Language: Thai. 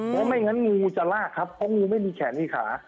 เพราะไม่งั้นงูจะลากครับเพราะงูไม่มีแขนมีขา